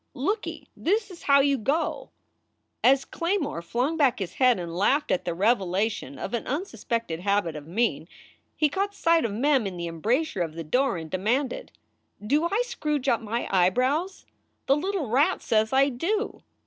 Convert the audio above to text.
Looky; this is how you go." SOULS FOR SALE 257 As Claymore flung back his head and laughed at the revelation of an unsuspected habit of mien, he caught sight of Mem in the embrasure of the door and demanded: Do I scrooge up my eyebrows ? The little rat says I do.